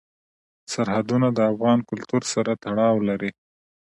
سرحدونه د افغان کلتور سره تړاو لري.